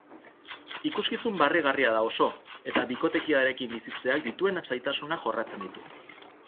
Ikuskizun barregarria da oso, eta bikotekidearekin bizitzeak dituen zailtasunak jorratzen ditu.